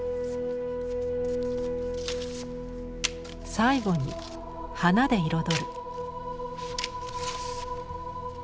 最後に花で彩る。